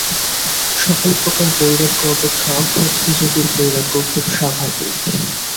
সকল প্রকার বৈরাগ্য অপেক্ষা ভক্তিযোগীর বৈরাগ্য খুব স্বাভাবিক।